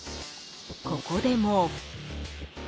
ここでも］